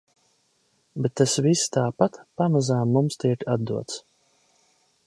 Bet tas viss tāpat pamazām mums tiek atdots.